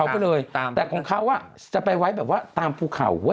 เผาไปเลยแต่ของเขาจะไปไว้แบบว่าตามภูเขา